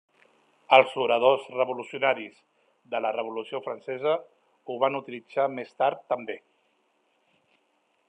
Els oradors revolucionaris de la Revolució Francesa ho van utilitzar més tard també.